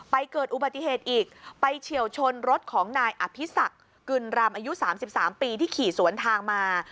เกิดอุบัติเหตุอีกไปเฉียวชนรถของนายอภิษักกึนรำอายุ๓๓ปีที่ขี่สวนทางมา